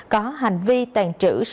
có hành vi tàn trữ